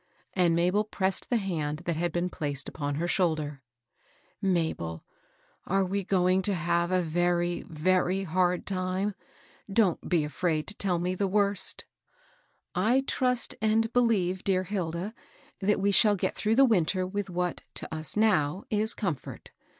And Mabel pressed the hand that had been placed upon her shoulder. COLD NOVEMBER. 198 " Mabel, are we going to have a very, very hard time ? Don't be afraid to tell me the worst." I trust and believe, dear Hilda, that we shall get through the winter with what, to us now, is comfort.